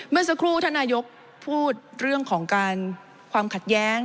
เมื่อสักครู่ท่านนายกพูดเรื่องของการความขัดแย้ง